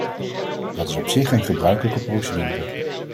Dat is op zich een gebruikelijke procedure.